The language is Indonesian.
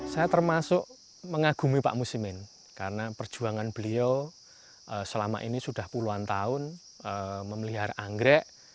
saya termasuk mengagumi pak musimin karena perjuangan beliau selama ini sudah puluhan tahun memelihara anggrek